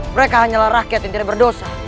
mereka hanyalah rakyat yang tidak berdosa